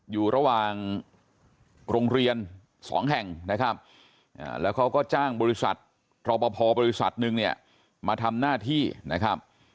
อยู่ระหว่างโรงเรียน๒แห่งนะครับแล้วเขาก็จ้างบริษัทรอปภบริษัทหนึ่งเนี่ยมาทำหน้าที่นะครับ